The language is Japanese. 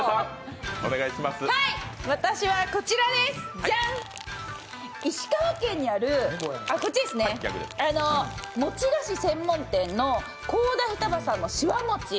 私は、石川県にある餅菓子専門店の河田ふたばさんのしわもち。